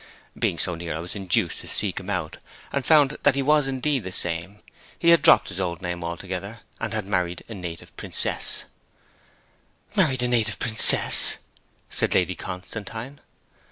Being so near I was induced to seek him out, and found that he was indeed the same. He had dropped his old name altogether, and had married a native princess "' 'Married a native princess!' said Lady Constantine.